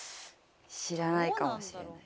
知らないかもしれない。